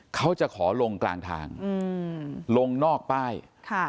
เขาจะขอลงกลางทางอืมลงนอกป้ายค่ะ